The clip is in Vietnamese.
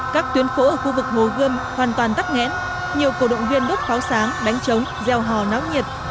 các tuyến phố ở khu vực hồ gươm hoàn toàn tắt nghẽn nhiều cổ động viên đốt pháo sáng đánh trống gieo hò náo nhiệt